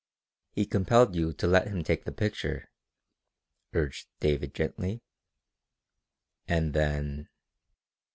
"He compelled you to let him take the picture," urged David gently. "And then...."